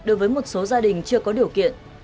đối với một số gia đình chưa có điều kiện